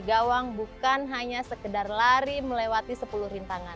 gawang bukan hanya sekedar lari melewati sepuluh rintangan